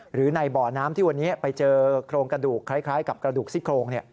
หรือในบ่อน้ำที่วันนี้ไปเจอโครงกระดูกคล้ายกับกระดูกซี่โครง